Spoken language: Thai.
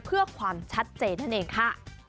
เพื่อความชัดเจนนั่นเองค่ะ